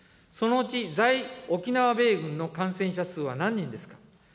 そのうち在沖縄米軍の感染者数は何人ですか。